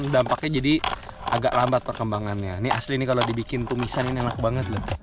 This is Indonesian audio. dampaknya jadi agak lambat perkembangannya nih aslinya kalau dibikin tumisan enak banget